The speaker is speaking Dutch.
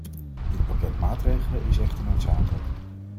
Dit pakket maatregelen is echter noodzakelijk.